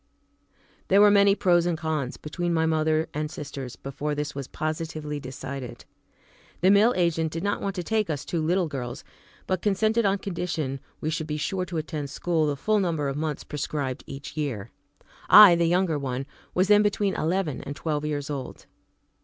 There were many pros and cons between my mother and sisters before this was positively decided. The mill agent did not want to take us two little girls, but consented on condition we should be sure to attend school the full number of months prescribed each year. I, the younger one, was then between eleven and twelve years old.